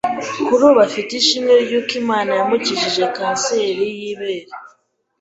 kuri ubu afite ishimwe ry’uko Imana yamukijije Cancer y’ibere.